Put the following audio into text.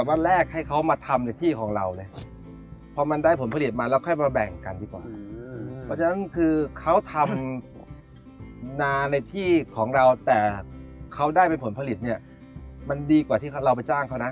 เพราะฉะนั้นคือเขาทำนานในที่ของเราแต่เขาได้เป็นผลผลิตเนี่ยมันดีกว่าที่เราไปจ้างเขานะ